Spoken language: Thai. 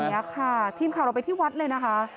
เนี่ยค่ะทีมข่าวเราไปที่วัดเลยนะคะ